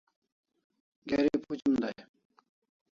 Geri phuchim dai